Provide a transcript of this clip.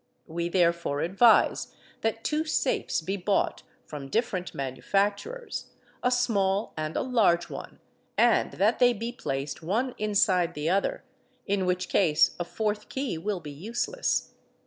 We therefore advise that two safes be 7 ought from different manufacturers, a small and a large one, and that they , b 2 placed one inside the other, in which case a fourth key will be useless.